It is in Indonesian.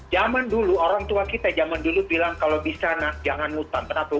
zaman dulu orang tua kita zaman dulu bilang kalau bisa nah jangan ngutang kenapa